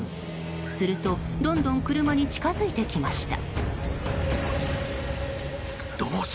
するとどんどん車に近づいてきました。